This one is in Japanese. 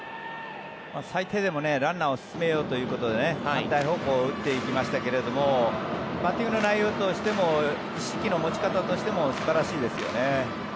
最低でもランナーを進めようということで反対方向に打っていきましたけどバッティングの内容としても意識の持ち方としても素晴らしいですよね。